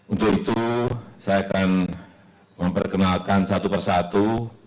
untuk itu saya akan memperkenalkan satu persatu